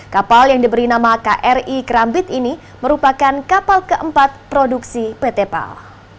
kapal yang diberi nama kri kerambit ini merupakan kapal keempat produksi pt pal